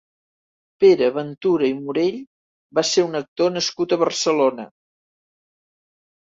Pere Ventura i Morell va ser un actor nascut a Barcelona.